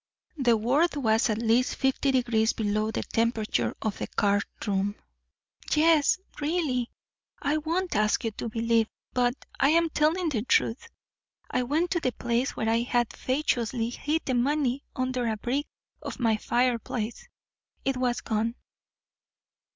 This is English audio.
The word was at least fifty degrees below the temperature of the card room. "Yes, really. I won't ask you to believe but I'm telling the truth. I went to the place where I had fatuously hid the money under a brick of my fireplace. It was gone."